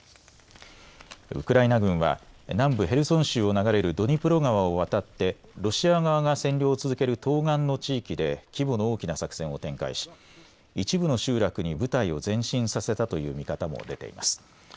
ウクライナ軍は南部ヘルソン州を流れるドニプロ川を渡ってロシア側が占領を続ける東岸の地域で規模の大きな作戦を展開し一部の集落に部隊を前進させたという見方も出ています。